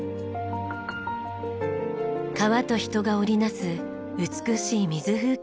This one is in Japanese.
川と人が織り成す美しい水風景。